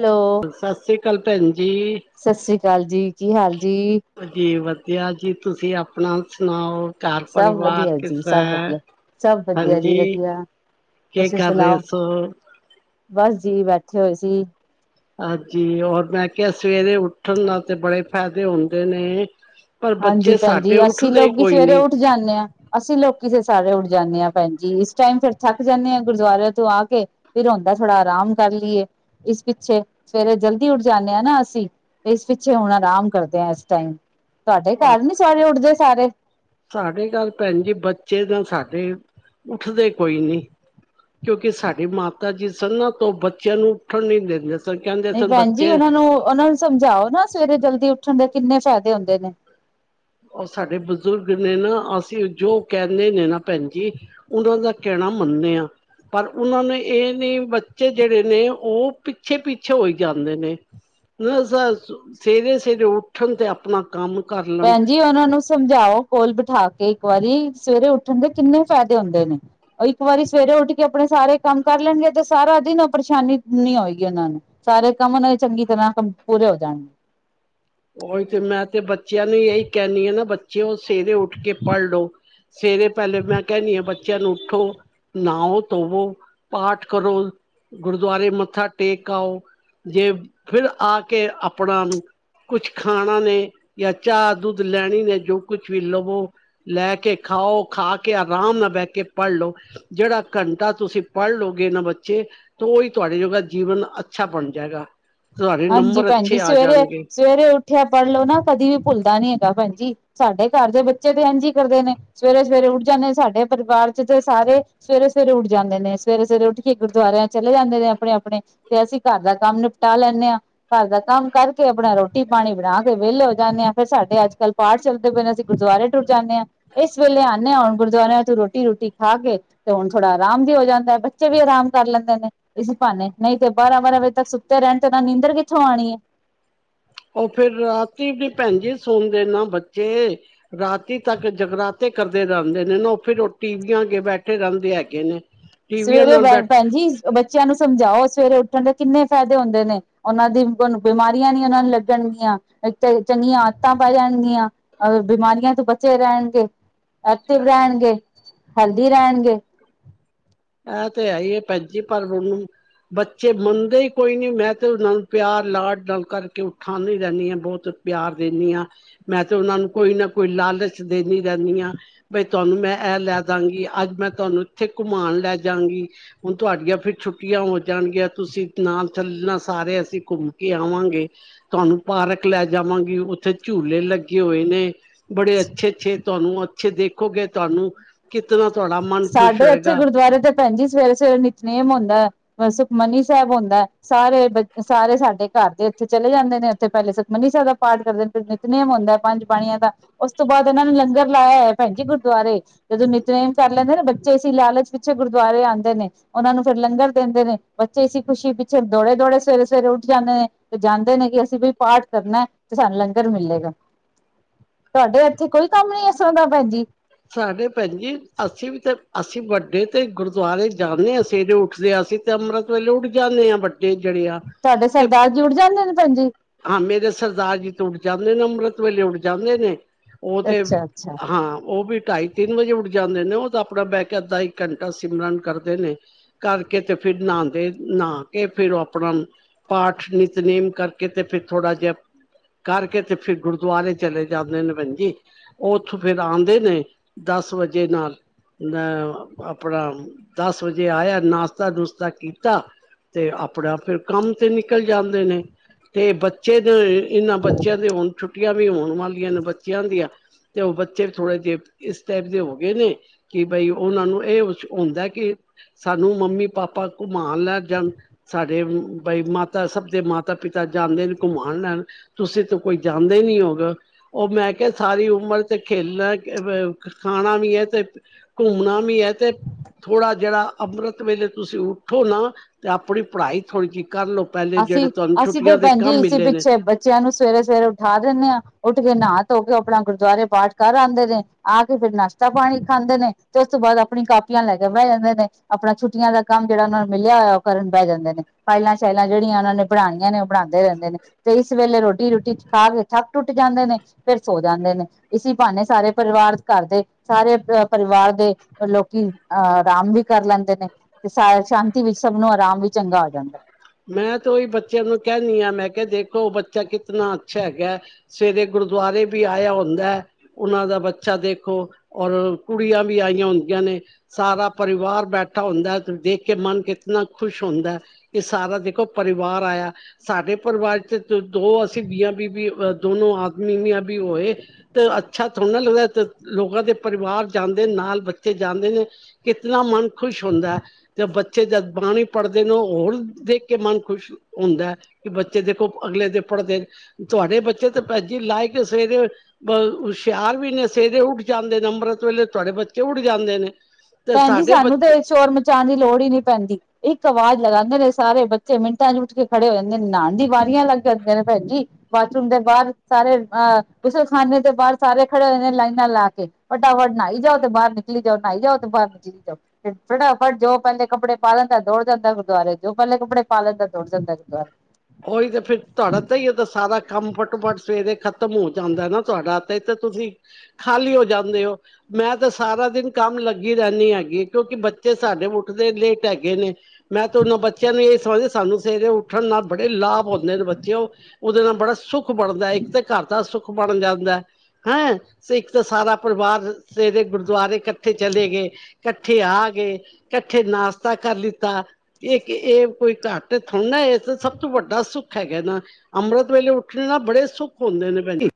Hello, ਸਤਿ ਸ੍ਰੀ ਅਕਾਲ ਭੈਣ ਜੀ। ਸਤਿ ਸ੍ਰੀ ਅਕਾਲ ਜੀ, ਕੀ ਹਾਲ ਜੀ? ਵਧੀਆ ਵ ਕੀ ਹਾਲ ਜੀ ਤੁਸੀਂ ਆਪਣਾ ਸੁਣਾਓ। ਘਰ ਸਭ ਪਰਿਵਾਰ ਵਧੀਆ ਕਿਸ ਜੀ, ਸਭ ਤਰ੍ਹਾਂ, ਵਧੀਆ। ਸਭ ਵਧੀਆ ਜੀ ਹਾਂਜੀ ਵਧੀਆ, ਕੀ ਤੁਸੀਂ ਕਰ ਰਹੇ ਸੁਣਾਓ? ਸੋ ਬਸ ਜੀ ਬੈਠੇ ਹੋਏ ਸੀ। ਹਾਂਜੀ ਔਰ ਮੈਂ ਕਿਹਾ ਸਵੇਰੇ ਉੱਠਣ ਨਾਲ ਤੇ ਬੜੇ ਫਾਇਦੇ ਹੁੰਦੇ ਨੇ। ਪਰ ਹਾਂਜੀ ਬੱਚੇ ਸਾਡੇ ਭੈਣਜੀ ਅਸੀਂ ਉੱਠਦੇ ਲੋਕ ਹੀ ਕੋਈ ਸਵੇਰੇ ਨੀ ਉੱਠ ਜਾਂਦੇ ਹਾਂ। ਅਸੀਂ ਲੋਕੀ ਤੇ ਸਾਰੇ ਉੱਠ ਜਾਂਦੇ ਹਾਂ ਭੈਣ ਜੀ, ਇਸ ਟਾਈਮ ਫਿਰ ਥੱਕ ਜਾਂਦੇ ਹਾਂ ਗੁਰਦੁਆਰਿਆਂ ਤੋਂ ਆ ਕੇ, ਫਿਰ ਹੁੰਦਾ ਥੋੜ੍ਹਾ ਆਰਾਮ ਕਰ ਲਈਏ ਇਸ ਪਿੱਛੇ ਸਵੇਰੇ ਜਲਦੀ ਉੱਠ ਜਾਂਦੇ ਹਾਂ ਨਾ ਅਸੀਂ ਤੇ ਇਸ ਪਿੱਛੇ ਹੁਣ ਆਰਾਮ ਕਰਦੇ ਹਾਂ ਇਸ ਟਾਈਮ। ਤੁਹਾਡੇ ਘਰ ਨੀ ਸਾਰੇ ਉੱਠਦੇ ਸਾਰੇ? ਸਾਡੇ ਘਰ ਭੈਣ ਜੀ ਬੱਚੇ ਦੇ ਸਾਡੇ ਉੱਠਦੇ ਕੋਈ ਨੀ ਕਿਉਂਕਿ ਸਾਡੀ ਮਾਤਾ ਜੀ ਸਨ ਨਾ ਤ ਉਹ ਬੱਚਿਆਂ ਨੂੰ ਉੱਠਣ ਨੀ ਦਿੰਦੇ ਸਨ ਕਹਿੰਦੇ ਨਹੀਂ ਸਨ ਭੈਣ ਜੀ ਬੱਚੇ ਉਹਨਾਂ ਨੂੰ ਉਹਨਾਂ ਨੂੰ ਸਮਝਾਓ ਨਾ ਸਵੇਰੇ ਜਲਦੀ ਉੱਠਣ ਦੇ ਕਿੰਨੇ ਫ਼ਾਇਦੇ ਹੁੰਦੇ ਨੇ। ਉਹ ਸਾਡੇ ਬਜ਼ੁਰਗ ਨੇ ਨਾ ਅਸੀਂ ਜੋ ਕਹਿੰਦੇ ਨੇ ਨਾ ਭੈਣ ਜੀ ਉਹਨਾਂ ਦਾ ਕਹਿਣਾ ਮੰਨਦੇ ਹਾਂ ਪਰ ਉਹਨਾਂ ਨੇ ਇਹ ਨੀ ਬੱਚੇ ਜਿਹੜੇ ਨੇ ਉਹ ਪਿੱਛੇ ਪਿੱਛੇ ਹੋਈ ਜਾਂਦੇ ਨੇ। ਸਵੇਰੇ ਸਵੇਰੇ ਉੱਠਣ ਤੇ ਆਪਣਾ ਕੰਮ ਕਰ ਲੈਣ ਭੈਣ ਜੀ ਉਹਨਾਂ ਨੂੰ ਸਮਝਾਓ ਕੋਲ ਬਿਠਾ ਕੇ ਇੱਕ ਵਾਰੀ ਸਵੇਰੇ ਉੱਠਣ ਦੇ ਕਿੰਨੇ ਫਾਇਦੇ ਹੁੰਦੇ ਨੇ ਉਹ ਇੱਕ ਵਾਰੀ ਸਵੇਰੇ ਉੱਠ ਕੇ ਆਪਣੇ ਸਾਰੇ ਕੰਮ ਕਰ ਲੈਣਗੇ ਤੇ ਸਾਰਾ ਦਿਨ ਉਹ ਪਰੇਸ਼ਾਨੀ ਨ ਹੋਏਗੀ ਉਹਨਾਂ ਨੂੰ ਸਾਰੇ ਕੰਮ ਉਹਨਾਂ ਦੇ ਚੰਗੀ ਤਰ੍ਹਾਂ ਕੰਮ ਪੂਰੇ ਹੋ ਜਾਣਗੇ ਉਓਹੀ ਤੇ ਮੈਂ ਤੇ ਬੱਚਿਆਂ ਨੂੰ ਇਹੀ ਕਹਿਣੀ ਆ ਨਾ ਬੱਚੇ ਉਹ ਸਵੇਰੇ ਉੱਠ ਕੇ ਪੜ੍ਹ ਲੋ ਸਵੇਰੇ ਪਹਿਲੇ ਮੈਂ ਕਹਿਣੀ ਆ ਬੱਚਿਆਂ ਨੂੰ ਉੱਠੋ ਨਹਾੋ ਧੋਵੋ ਪਾਠ ਕਰੋ ਗੁਰਦੁਆਰੇ ਮੱਥਾ ਟੇਕ ਆਓ ਜੇ ਫਿਰ ਆ ਕੇ ਆਪਣਾ ਕੁਛ ਖਾਣਾ ਨੇ ਜਾਂ ਚਾਹ ਦੁੱਧ ਲੈਣੀ ਨੇ ਜੋ ਕੁਛ ਵੀ ਲਵੋ ਲੈ ਕੇ ਖਾਓ ਖਾ ਕੇ ਆਰਾਮ ਨਾਲ ਬਹਿ ਕੇ ਪੜ੍ਹ ਲਓ ਜਿਹੜਾ ਘੰਟਾ ਤੁਸੀਂ ਪੜ੍ਹ ਲਓਗੇ ਨਾ ਬੱਚੇ ਤਾਂ ਉਹੀ ਤੁਹਾਡੇ ਜੋ ਜੀਵਨ ਅੱਛਾ ਬਣ ਜਾਏਗਾ ਤੁਹਾਡੇ ਹਾਂਜੀ ਨੰਬਰ ਭੈਣ ਜੀ ਅੱਛੇ ਆ ਸਵੇਰੇ ਜਾਣਗੇ ਸਵੇਰੇ ਉੱਠਿਆ ਪੜ੍ਹ ਲਓ ਨਾ ਕਦੀ ਵੀ ਭੁੱਲਦਾ ਨੀ ਹੈਗਾ ਭੈਣ ਜਜੀ ਸਾਡੇ ਘਰ ਦੇ ਬੱਚੇ ਤੇ ਇਂਝ ਕਰਦੇ ਨੇ ਸਵੇਰੇ ਸਵੇਰੇ ਉੱਠ ਜਾਂਦੇ ਸਾਡੇ ਪਰਿਵਾਰ ਚ ਤੇ ਸਾਰੇ ਸਵੇਰੇ ਸਵੇਰੇ ਉੱਠ ਜਾਂਦੇ ਨੇ ਸਵੇਰੇ ਸਵੇਰੇ ਉੱਠ ਕੇ ਗੁਰਦੁਆਰਿਆਂ ਚਲੇ ਜਾਂਦੇ ਨੇ ਆਪਣੇ ਆਪਣੇ ਤੇ ਅਸੀਂ ਘਰ ਦਾ ਕੰਮ ਨਿਪਟਾ ਲੈਂਦੇ ਹਾਂ ਘਰ ਦਾ ਕੰਮ ਕਰਕੇ ਆਪਣਾ ਰੋਟੀ ਪਾਣੀ ਬਣਾ ਕੇ ਵਿਹਲੇ ਹੋ ਜਾਂਦੇ ਹਾਂ ਫਿਰ ਸਾਡੇ ਅੱਜ ਕੱਲ੍ਹ ਪਾਠ ਚੱਲਦੇ ਪਏ ਨੇ ਅਸੀਂ ਗੁਰਦੁਆਰੇ ਟੁਰ ਜਾਂਦੇ ਹਾਂ ਇਸ ਵੇਲੇ ਆਉਂਦੇ ਹਾਂੁਣ ਗੁਰਦੁਰਿਆਂ ਤੋਂ ਰੋਟੀ ਰੋਟੀ ਖਾ ਕੇ ਤੇ ਹੁਣ ਥੋੜਾ ਆਰਾਮ ਵੀ ਹੋ ਜਾਂਦਾ ਬੱਚੇ ਵੀ ਆਰਾਮ ਕਰ ਲੈਂਦੇ ਨੇ ਅਸੀਂ ਭਾੇ ਨਹੀਂ ਤੇ ਬਾਰਾਂ ਬਾਰਾਂ ਵਜੇ ਤੱਕ ਸੁੱਤੇ ਰਹਿਣ ਤੇ ਨਾ ਨੀਂ ਇੱਧਰ ਕਿੱਥੋਂ ਆਉਣੀ ਹੈ ਉਹ ਫੇਿਰ ਰਾਤੀ ਨ ਭੈਣ ਜੀ ਸੁਣਦੇ ਨਾ ਬੱਚੇ ਰਾਤੀ ਤੱਕ ਜਗਰਾਤੇ ਕਰਦੇ ਰਹਿੰਦੇ ਨੇ ਨਾ ਉਹ ਫੇਿਰ ਉਹ ਟੀਵੀਆਂ ਅੱਗੇ ਬੈਠੇ ਰਹਿੰਦੇ ਹੈਗੇ ਨੇ ਟੀਵੀਆਂ ਸਵੇਰੇ ਨਾਲ ਭੈਣ ਬੈਠ ਜਜੀ ਬੱਚਿਆਂ ਨੂੰ ਸਮਝਾਓ ਸਵੇਰੇ ਉੱਠਣ ਦੇ ਕਿੰਨੇ ਫਾਇਦੇ ਹੁੰਦੇ ਨੇ ਉਹਨਾਂ ਦੀ ਬਿਮਾਰੀਆਂ ਨੀ ਉਹਨਾਂ ਨੂੰ ਲੱਗਣਗੀਆਂ ਚੰਗੀਆਂ ਆਦਤਾਂ ਪੈ ਜਾਣਗੀਆਂ ਅਹ ਬਿਮਾਰੀਆਂ ਤੋਂ ਬਚੇ ਰਹਿਣਗੇ ਐਥਿ ਬ੍ਰਹਿਡ ਗਗੇ ਹਲਦੀ ਰਹਿਣਗੇ ਇਹ ਤੇ ਹੈ ਹੀ ਹੈ ਭੈਣ ਜ ਪਰ ਉਹਨੂੰ ਬੱਚੇ ਮੰਨਦੇ ਹੀ ਕੋਈ ਨੀ ਮੈਂ ਤੇ ਉਹਨਾਂ ਨੂੰ ਪਿਆਰ ਲਾਡ ਨਾਲ ਕਰਕੇ ਉਠਾਉਂਦੀ ਰਹਿੰਦੀ ਹਾਂ ਬਹੁਤ ਪਿਆਰ ਦਿੰਦੀ ਹਾਂ ਮੈਂ ਤੇ ਉਹਨਾਂ ਨੂੰ ਕੋਈ ਨਾ ਕੋਈ ਲਾਲਚ ਦਿੰਦੀ ਰਹਿੰਦੀ ਹਾਂ ਬਈ ਤੁਹਾਨੂੰ ਮੈਂ ਇਹ ਲੈ ਦਾਂਗੀ ਅੱਜ ਮੈਂ ਤੁਹਾਨੂੰ ਇੱਥੇ ਘੁਮਾਉਣ ਲੈ ਜਾਗੀ ਹੁਣ ਤੁਹਾਡੀਆਂ ਫਿਰ ਛੁੱਟੀਆਂ ਹੋ ਜਾਣਗੀਆਂ ਤੁਸੀਂ ਨਾਲ ਥੱਲਣਾ ਸਾਰੇ ਅਸੀਂ ਘੁੰਮ ਕੇ ਆਵਾਂਗੇ ਤੁਹਾਨੂੰ ਪਾਰਕ ਲੈ ਜਾਵਾਂਗੀ ਉੱਥੇ ਝੂਲੇ ਲੱਗੇ ਹੋਏ ਨੇ ਬੜੇ ਅੱਛੇ ਅੱਛੇ ਤੁਹਾਨੂੰ ਪਿੱਛੇ ਦੇਖੋਗੇ ਤੁਹਾਨੂੰ ਕਿ ਤਰ ਸਾਡੇ ਇੱਥੇ ਗੁਰਦੁਆਰੇ ਤੇ ਭੈਣ ਜੀ ਸਵੇਰੇ ਸਵੇਰੇ ਨਿਤਨੇਮ ਹੁੰਦਾ ਸੁਖਮਨੀ ਸਾਹਿਬ ਆੁੰਦਾ ਸਾਰੇ ਬ ਸਾਰੇ ਸਾਡੇ ਘਰ ਦੇ ਉੱਥੇ ਚਲੇ ਜਾਂਦੇ ਨੇ ਉੱਥੇ ਪਹਿਲੇ ਸੁਖਮਨੀ ਸਾਹਿਬ ਦਾ ਪਾਠ ਕਰਦੇ ਨੇ ਨਿਤਨੇਮ ਆੁੰਂਦਾ ਪੰਜ ਬਾਣੀਆਂ ਦਾ ਉਸ ਤੋਂ ਬਾਅਦ ਇਹਨਾਂ ਨੇ ਲੰਗਰ ਲਾਇਆ ਹੈ ਭੈਣ ਜੀ ਗੁਰਦੁਆਰੇ ਜਦੋਂ ਨਿਤਨੇਮ ਕਰ ਲੈਂਦੇ ਨੇ ਬੱਚੇ ਅ ਲਾਲਚ ਪਿੱਛੇ ਗੁਰਦੁਆਰੇ ਆਉਂਦੇ ਨੇ ਉਹਨਾਂ ਨੂੰ ਫਿਰ ਲੰਗਰ ਦਿੰਦੇ ਨੇ ਬੱਚੇ ਅ ਖੁਸ਼ੀ ਪਿੱਛੇ ਦੌੜੇ ਦੌੜੇ ਸਵੇਰੇ ਸਵੇਰੇ ਉੱਠ ਜਾਂਦੇ ਨੇ ਤੇ ਜਾਂਦੇ ਨੇ ਕਿ ਅਸੀਂ ਵੀ ਪਾਠ ਕਰਨਾ ਤੇ ਸਾਨੂੰ ਲੰਗਰ ਮਿਲੇਗਾ ਤੁਹਾਡੇ ਇੱਥੇ ਕੋਈ ਕੰਮ ਨੀ ਇਸਰ ਦਾ ਭੈਣਜੀ ਸਾਡੇ ਭੈਣ ਜ ਅਸੀਂ ਵੀ ਤੇ ਅਸੀਂ ਵੱਡੇ ਤੇ ਗੁਰਦੁਆਰੇ ਜਾਂਦੇ ਹਾਂ ਸਵੇਰੇ ਉੱਠਦੇ ਅਸੀਂ ਤੇ ਅੰਮ੍ਰਿਤ ਵੇਲੇ ਉੱਠ ਜਾਂਦੇ ਹਾਂ ਵੱਡੇ ਜਿਹੜੇ ਆ ਤੁਹਾਡੇ ਤੇ ਸਰਦਾਰ ਜੁੜ ਜਾਂਦੇ ਨੇ ਭੈਜੀ ਹਾਂ ਮੇਰੇ ਸਰਦਾਰ ਜੀ ਤੋੜ ਜਾਂਦੇ ਨੇ ਮੁਮ੍ਰਤ ਵੱਲ ਜਾਂਦੇ ਨੇ ਉਹ ਤੇ ਅੱਛਾ ਅੱਛਾ ਹਾਂ ਉਹ ਵੀ ਢਾਈ ਤਿੰਨ ਵਜੇ ਉੱਠ ਜਾਂਦੇ ਨੇ ਉਹ ਤਾਂ ਆਪਣਾ ਬਹਿ ਕੇ ਅੱਧਾ ਇੱਕ ਘੰਟਾ ਸਿਮਰਨ ਕਰਦੇ ਨੇ ਕਰਕੇ ਤੇ ਫਿਰ ਨਹਾਦੇ ਨਹਾ ਕੇ ਫੇਰ ਉਹ ਆਪਣਾ ਪਾਠ ਨਿਤਨੇਮ ਕਰਕੇ ਫਿਰ ਥੋੜਾ ਜਿਹਾ ਕਰਕੇ ਤੇ ਫਿਰ ਗੁਰਦੁਆਰੇ ਚਲੇ ਜਾਂਦੇ ਨੇ ਭੈਜੀ ਉਹ ਓਥੋਂ ਫੇਰ ਆਉਂਦੇ ਨੇ ਦਸ ਵਜੇ ਨਾਲ ਅ ਆਪਣਾ ਦਸ ਵਜੇ ਆਇਆ ਨਾਸ਼ਤਾ ਨੁਸ਼ਤਾ ਕੀਤਾ ਤੇ ਆਪਣਾ ਫਿਰ ਕੰਮ ਤੇ ਨਿਕਲ ਜਾਂਦੇ ਨੇ ਤੇ ਬੱਚੇ ਦੇ ਇਹਨਾਂ ਬੱਚਿਆਂ ਦੇ ਹੁਣ ਵੀ ਉਹ ਵਾਲੀਆਂ ਨੂੰ ਬੱਚਿਆਂ ਹੁੰਦੀਆਂ ਤੇ ਉਹ ਬੱਚੇ ਵੀ ਥੋੜੇ ਜਿਹੇ ਇਸ ਟਾਈਪ ਦੇ ਹੋ ਗਏ ਨੇ ਕਿ ਬਈ ਉਹਨਾਂ ਨੂੰ ਇਹ ਹੁੰਦਾ ਕਿ ਸਾਨੂੰ ਮੰਮੀ ਪਾਪਾ ਘੁਮਾਣ ਲੈ ਜਾਣ ਸਾਡੇ ਬਈ ਮਾਤਾ ਸਭ ਦੇ ਮਾਤਾ ਪਿਤਾ ਤਾਂ ਜਾਂਦੇ ਨੇ ਘੁਮਾਣ ਲੈਣ ਤੁਸੀਂ ਤਾਂ ਕੋਈ ਜਾਂਦੇ ਨੀ ਹੋਗੇ ਉਹ ਮੈਂ ਕਿਹਾ ਸਾਰੀ ਉਮਰ ਤੇ ਖੇਲਣਾ ਖਾਣਾ ਵੀ ਹੈ ਤੇ ਘੁੰਮਣਾ ਵੀ ਹੈ ਤੇ ਥੋੜਾ ਜਿਹੜਾ ਅੰਮ੍ਰਿਤ ਵੇਲੇ ਤੁਸੀਂ ਉੱਠੋ ਨਾ ਤੇ ਆਪਣੀ ਪੜ੍ਹਾਈ ਥੋੜ੍ਹੀ ਜਿਹੀ ਕਰ ਲਓ ਪਹਿਲੇ ਜਿਹੜੇ ਤੁਹਾਨੂੰ ੁੱਟੀ ਭੈਣਜੀ [unintelligible] ਪਿੱਛੇ ਬੱਚਿਆਂ ਨੂੰ ਸਵੇਰੇ ਸਵੇਰੇ ਉਠਾ ਦਿੰਦੇ ਹਾਂ ਉੱਠ ਕੇ ਨਾ ਹਾਂ ਧੋ ਕੇ ਆਪਣਾ ਗੁਰਦੁਆਰੇ ਪਾਠ ਕਰ ਆਉਂਦੇ ਨੇ ਆ ਕੇ ਫਿਰ ਨਾਸ਼ਤਾ ਪਾਣੀ ਖਾਂਦੇ ਨੇ ਤੇ ਉਸ ਤੋਂ ਬਾਅਦ ਆਪਣੀ ਕਾਪੀਆਂ ਲੈ ਕੇ ਬਹਿ ਜਾਂਦੇ ਨੇ ਆਪਣਾ ਛੁਟੀਆਂ ਦਾ ਕੰਮ ਜਿਹੜਾ ਉਹ ਨੂੰ ਮਿਲਿਆ ਹੋਇਆ ਉਹ ਕਰਨ ਬਹਿ ਜਾਂਦੇ ਨੇ ਫਾਇਲਾਂ ਸ਼ਾਇਲਾਂ ਜਿਹੜੀਆਂ ਉਹਨਾਂ ਨੇ ਬਣਾਉਣੀਆਂ ਨੇ ਉਹ ਬਣਾਉਂਦੇ ਰਹਿੰਦੇ ਨੇ ਤੇ ਇਸ ਵੇਲੇ ਰੋਟੀ -ਰੋਟੀ ਖਾ ਕੇ ਥੱਕ ਟੁੱਟ ਜਾਂਦੇ ਨੇ ਫਿਰ ਸੋ ਜਾਂਦੇ ਨੇ ਇਸ ਭਾਨੇ ਸਾਰੇ ਪਰਿਵਾਰ ਘਰ ਦੇ ਸਾਰੇ ਅਹ ਪਰਿਵਾਰ ਦੇ ਲੋਕੀ ਅਹ ਆਰਾਮ ਵੀ ਕਰ ਲੈਂਦੇ ਨੇ ਤੇ ਸ ਸ਼ਾਂਤੀ ਵਿੱਚ ਸਭ ਨੂੰ ਆਰਾਮ ਵੀ [unintelligible] ਮੈਂ ਤੇ ਉਹੀ ਬੱਚਿਆਂ ਨੂੰ ਕਹਿਦੀ ਹਾਂ ਮੈਂ ਕਿਹਾ ਦੇਖੋ ਉਹ ਬੱਚਾ ਕਿਤਨਾ ਅੱਛਾ ਹੈਗਾ ਹੈ। ਸਵੇਰੇ ਗੁਰਦੁਆਰੇ ਵੀ ਆਇਆ ਹੁੰਦਾ ਹੈ। ਉਹਨਾਂ ਦਾ ਬੱਚਾ ਦੇਖੋ ਔਰ ਕੁੜੀਆਂ ਵੀ ਆਈਆਂ ਹੁੰਦੀਆਂ ਨੇ ਸਾਰਾ ਪਰਿਵਾਰ ਬੈਠਾ ਹੁੰਦਾ ਤੇ ਦੇਖ ਕੇ ਮਨ ਕਿਤਨਾ ਖੁਸ਼ ਹੁੰਦਾ। ਕਿ ਸਾਰਾ ਦੇਖੋ ਪਰਿਵਾਰ ਆਇਆ ਸਾਡੇ ਪਰਿਵਾਰ 'ਚ ਦੋ ਅਸੀਂ ਬੀਆਂ ਬੀਬੀ ਦੋਨੋ ਆਦਮੀਆਂ ਵੀ ਹੋਏ ਤੇ ਅੱਛਾ ਥੋੜਾ ਨਾ ਲੱਗਦਾ ਲੋਕਾਂ ਦੇ ਪਰਿਵਾਰ ਜਾਂਦੇ ਨੇ ਨਾਲ ਬੱਚੇ ਜਾਂਦੇ ਨੇ ਕਿਤਨਾ ਮਨ ਖੁਸ਼ ਹੁੰਦਾ ਤੇ ਬੱਚ ਤੇ ਜਦ ਬਾਣੀ ਪੜ੍ਹਦੇ ਨੇ ਹੋਰ ਦੇਖ ਕੇ ਮਨ ਖੁਸ਼ ਹੁੰਦਾ ਕਿ ਬੱਚੇ ਦੇਖੋ ਅਗਲੇ ਦੇ ਪੜ੍ਹਦੇ ਨੇ ਤੁਹਾਡੇ ਬੱਚੇ ਤਾਂ ਭੈਜੀ ਲਾਏ ਕੇ ਸਵੇਰੇ ਹੁਸ਼ਿਆਰ ਵੀ ਨੇ ਸਵੇਰੇ ਉੱਠ ਜਾਂਦੇ ਨੇ ਅੰਮ੍ਰਿਤ ਵੇਲੇ ਤੁਹਾਡੇ ਬੱਚੇ ਉੱਠ ਜਾਂਦੇ ਨੇ ਤੇ ਭੈਣ ਜੀ ਸਾਡੇ ਸਾਨੂੰ ਤਾਂ ਬੱਚੇ ਸੋਰ ਮਚਾਉਣ ਦੀ ਲੋੜ ਹੀ ਨਹੀ ਪੈਂਦੀ ਇੱਕ ਆਵਾਜ਼ ਲਗਾਉਂਦੇ ਨੇ ਸਾਰੇ ਬੱਚੇ ਮਿੰਟਾਂ ਚੱਠ ਕੇ ਖੜੇ ਹੋ ਜਾਂਦੇ ਨੇ ਨਹਾਉਣ ਦੀ ਵਾਰੀਆਂ ਲੱਗ ਜਾਂਦੀਆਂ ਨੇ ਭੈਣ ਜਜੀ ਬਾਥਰੂਮ ਦੇ ਬਾਹਰ ਸਾਰੇ ਅਹ ਗੁਸਲਖਾਨੇ ਦੇ ਬਾਹਰ ਸਾਰੇ ਖੜੇ ਹੋਦੇ ਨੇ ਲਾਈਨਾਂ ਲਾ ਕੇ ਫੱਟਾਫਟ ਨਹਾਈ ਜਾਓ ਤੇ ਬਾਹਰ ਨਿਕਲੀ ਜਾਓ ਨਾਈ ਜਾਓ ਨਵੀਂ ਜਾਓ ਫਿਰ ਫਟਾਫਟ ਜੋ ਪਹਿਲੇ ਕੱਪੜੇ ਪਾ ਲਣ ਤਾਂ ਦੌੜ ਜਾਂਦਾ ਗੁਰਦੁਆਰੇ ਜੋ ਪਹਿਲੇ ਕੱਪੜੇ ਪਾਲੈਦਾ ਦੌੜ ਜਾਂਦਾ ਗੁਰਦੁਆਰੇ। ਉਹੀ ਤਾਂ ਫੇਰ ਤੁਹਾਡਾ ਤਾਂ ਹੀ ਤਾਂ ਸਾਰਾ ਕੰਮ ਫੱਟੋ ਫੱਟ ਸਵੇਰੇ ਖਤਮ ਖ਼ਤਮ ਹੋ ਜਾਂਦਾ ਨਾ ਤੁਹਾਡਾ ਤੇ ਤੁਸੀਂ ਖਾਲੀ ਹੋ ਜਾਂਦੇ ਹੋ। ਮੈਂ ਤਾਂ ਸਾਰਾ ਦਿਨ ਕੰਮ ਲੱਗੀ ਰਹਿੰਦੀ ਹੈਗੀ ਕਿਉਂਕਿ ਬੱਚੇ ਸਾਡੇ ਉੱਠਦੇ ਲੇਟ ਹੈਗੇ ਨੇ ਮੈਂ ਤੁੋਨਾਂ ਬੱਚਿਆਂ ਨੂੰ ਇਹ ਸਮਝ ਸਾਨੂੰ ਸੇਰੇ ਉਠਣ ਨਾਲ ਬੜੇ ਲਾਭ ਆਉਂਦੇ ਨੇ ਬੱਚੇ ਉਹ ਉਹਦੇ ਨਾਲ ਬੜਾ ਸੁੱਖ ਬਣਦਾ ਇੱਕ ਤਾਂ ਘਰ ਦਾ ਸੁੱਖ ਬਣ ਜਾਂਦਾ ਹੈਂ। ਤੇ ਇੱਕ ਤਾਂ ਸਾਰਾ ਪਰਿਵਾਰ ਸਵੇਰੇ ਗੁਰਦੁਆਰੇ ਉੱਥੇ ਚਲੇ ਗਏ ਇਕੱਠੇ ਆ ਗਏ ਇਕੱਠੇ ਨਾਸ਼ਤਾ ਕਰ ਲਿੱਤਾ ਕਿ ਇਹ ਕੋਈ ਘਟ ਤੇ ਥੜ੍ਹਾ ਇਹ ਸਭ- ਸਭ ਤੋਂ ਵੱਡਾ ਸੁੱਖ ਹੈਗਾ ਨਾ ਅੰਮ੍ਰਿਤ ਵੇਲੇ ਉੱਠਣੇ ਨਾਲ ਬੜੇ ਸੁੱਖ ਹੁੰਦੇ ਨੇ ਭੈਜੀ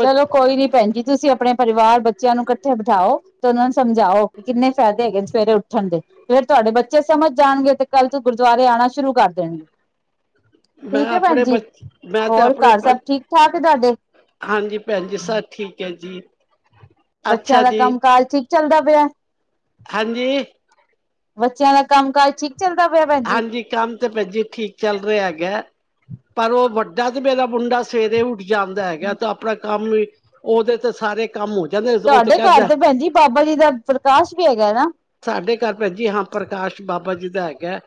ਚਲੋ ਕੋਈ ਨੀ ਭੈਣ ਜੀ ਤੁਸੀਂ ਆਪਣੇ ਪਰਿਵਾਰ ਬੱਚਿਆਂ ਨੂੰ ਉੱਥੇ ਬਿਠਾਓ ਤੇ ਉਹਨਾਂ ਨੂੰ ਸਮਝਾਓ ਕਿੰਨੇ ਫ਼ਾਇਦੇ ਹੈਗੇ ਨੇ ਸਵੇਰੇ ਉੱਠਣ ਦੇ ਫਿਰ ਤੁਹਾਡੇ ਬੱਚੇ ਸਮਝ ਜਾਣਗੇ ਤੇ ਕੱਲ ਤੂੰ ਗੁਰਦੁਆਰੇ ਆਉਣਾ ਸ਼ੁਰੂ ਕਰ ਦੇਣਗੇ। ਮੈਂ ਠੀਕ ਹੈ। ਭੈਣ ਆਪਣੇ ਜ ਬੱਚ ਮੈਂ ਤੇ ਹੋਰ ਆਪਣੇ ਘਰ ਸਭ ਠੀਕ ਠਾਕ ਹੈ। ਤੁਹਾਡੇ। ਪੈਨਜੀ ਸ ਠੀਕ ਐ ਜੀ। ਬੱਚਿਆਂ ਅੱਛਾ ਦਾ ਜੀ ਕੰਮ ਕਾਜ ਹੀ ਚੱਲਦਾ ਪਿਆ ਹਾਂਜੀ। ਬੱਚਿਆਂ ਦਾ ਕੰਮ ਕਾਜ ਠੀਕ ਚੱਲਦਾ ਪਿਆ ਭੈਣ ਜੀ ਹਾਂਜੀ ਕੰਮ ਤੇ ਭੈ ਜੀ ਠੀਕ ਚੱਲ ਰਿਹਾ ਹੈਗਾ ਪਰ ਉਹ ਵੱਡਾ ਜਦ ਮੇਰਾ ਮੁੰਡਾ ਸਵੇਰੇ ਉੱਠ ਜਾਂਦਾ ਹੈਗਾ ਤਾਂ ਆਪਣਾ ਕੰਮ ਵੀ ਉਹਦੇ ਤੇ ਸਾਰੇ ਕੰਮ ਹੋ ਜਾਂਦੇ ਉਹ ਤੁਹਾਡੇ ਘਰ ਕਹਿੰਦਾ ਤੇ ਭੈਣਜੀ ਬਾਬਾ ਜੀ ਦਾ ਪ੍ਰਕਾਸ਼ ਵੀ ਹੈਗਾ ਨਾ ਸਾਡੇ ਘਰ ਭੈਣ ਜੀ ਹਾਂ ਪ੍ਰਕਾਸ਼ ਬਾਬਾ ਜੀ ਦਾ ਹੈਗਾ।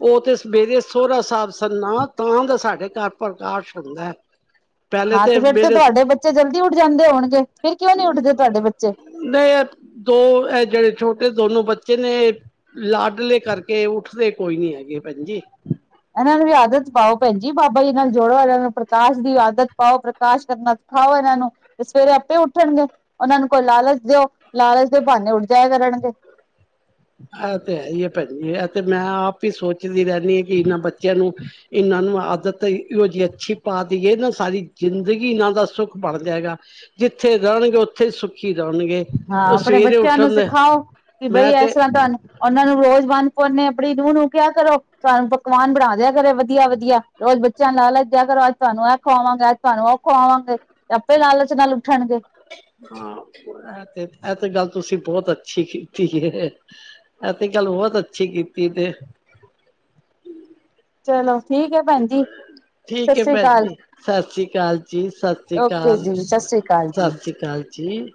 ਉਹ ਤੇ ਸਵੇਰੇ ਸੋਹਰਾ ਸਾਬ ਸੰਨਾ ਤਾਂ ਦਾ ਸਾਡੇ ਘਰ ਪ੍ਰਕਾਸ਼ ਹੁੰਦਾ ਹੈ। ਪਹਿਲੇ ਹਾਂ ਤੇ ਫੇਿਰ ਤੇ ਮੇਰੇ ਤੁਹਾਡੇ ਬੱਚੇ ਜਲਦੀ ਉੱਠ ਜਾਂਦੇ ਹੋਣਗੇ ਫੇਿਰ ਕਿਉਂ ਨੀ ਉੱਠਦੇ ਤੁਹਾਡੇ ਬੱਚੇ ਨਹੀਂ ਦੋ ਇਹ ਜਿਹੜੇ ਛੋਟੇ ਦੋਨੋ ਬੱਚੇ ਨੇ ਲਾਡਲੇ ਕਰਕੇ ਉੱਠਦੇ ਕੋਈ ਨੀ ਹੈਗੇ ਪੈਣਜੀ- ਇਹਨਾਂ ਨੂੰ ਵੀ ਆਦਤ ਪਾਓ ਪੈਣਜੀ ਜੀ ਬਾਬਾ ਜੀ ਨਾਲ ਜੋੜੋ ਇਹਨਾਂ ਨੂੰ ਪ੍ਰਕਾਸ਼ ਦੀ ਆਦਤ ਪਾਓ ਪ੍ਰਕਾਸ਼ ਕਰਨਾ ਖਾਓ ਇਹਨਾਂ ਨੂੰ ਤੇ ਸਵੇਰੇ ਆਪੇ ਉੱਠਣਗੇ ਉਹਨਾਂ ਨੂੰ ਕੋਈ ਲਾਲਚ ਦਿਓ ਲਾਲਚ ਦੇ ਬਹਾਨੇ ਉਡਜਾਏ ਕਰਨਗੇ ਹਾਂ ਤੇ ਹੈ ਹੀ ਹੈ ਪੈਣਜੀ- ਤੇ ਮੈਂ ਆਪ ਹੀ ਸੋਚਦੀ ਰਹਿੰਦੀ ਹਾਂ ਕਿ ਇਹਨਾਂ ਬੱਚਿਆਂ ਨੂੰ ਇਹਨਾਂ ਨੂੰ ਆਦਤ ਇਹੋ ਜਿਹੀ ਅੱਛੀ ਪਾ ਦੇਈਏ ਨਾ ਸਾਰੀ ਜ਼ਿੰਦਗੀ ਇਹਨਾਂ ਦਾ ਸੁੱਖ ਬਣ ਜਾਏਗਾ ਜਿੱਥੇ ਰਹਿਣਗੇ ਉੱਥੇ ਸੁ ਹਾਂ ਆਪਣੇ ਬੱਚਿਆਂ ਨੂੰ ਦੇ ਸਿਖਾਓ ਕਿ ਬਈ ਮੈਂ ਇਸ ਤੇ ਤਰ੍ਹਾਂ ਤੁਹਾਨੂੰ ਉਹਨਾਂ ਨੂੰ ਰੋਜ਼ ਬੰਨ ਪਾਉਨੇ ਆਪਣੀ ਨੂੰਹ ਨੂੰਹ ਕ ਕਿਹਾ ਕਰੋ ਤੁਹਾਨੂੰ ਪਕਵਾਨ ਬਣਾ ਦਿਆ ਕਰੇ ਵਧੀਆ ਵਧੀਆ ਰੋਜ਼ ਬੱਚਿਆਂ ਲਾਲਚ ਦਿਆ ਕਰੋ ਅੱਜ ਤੁਹਾਨੂੰ ਇਹ ਖਵਾਵਾਂਗੇ ਅੱਜ ਤੁਹਾਨੂੰ ਉਹ ਖੁਵਾਵਾਂਗੇ ਤੇ ਆਪੇ ਲਾਲਚ ਨਾਲ ਉੱਠਣਗੇ ਹਾਂ ਇਹ ਤੇ ਇਹ ਤੇ ਗੱਲ ਤੁਸੀਂ ਬਹੁਤ ਅੱਛੀ ਕੀਤੀ ਹੈ ਇਹ ਤੇ ਗੱਲ ਬਹੁਤ ਅੱਛੀ ਕੀਤੀ ਤੇ- ਚਲੋ ਠੀਕ ਹੈ ਭੈਣ ਜੀ ਸਤਿ ਠੀਕ ਹੈ ਸ੍ਰੀ ਪੈਣਜੀ ਅਕਾਲ ਜੀ ਸਤਿ ਸ੍ਰੀ ਅਕਾਲ ਜੀ ਸਤਿ ਸ਼੍ਰੀ ਓਕੇ ਅਕਾਲ ਜੀ ਸਤਿ ਸ੍ਰੀ ਅਕਾਲ ਸਤਿ ਜੀ ਸ੍ਰੀ ਅਕਾਲ ਜੀ। ਜੀ-